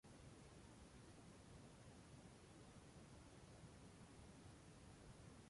El final de la temporada es un octogonal por el título en octubre.